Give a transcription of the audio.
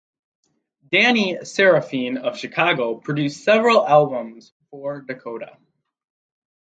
Danny Seraphine of Chicago produced several albums for Dakota.